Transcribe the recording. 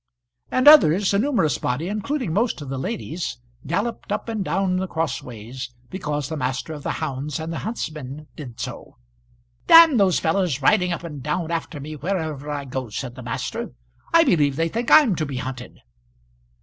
And others, a numerous body, including most of the ladies, galloped up and down the cross ways, because the master of the hounds and the huntsman did so. "D those fellows riding up and down after me wherever I go," said the master. "I believe they think I'm to be hunted."